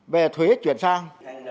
về thuế chuyển sang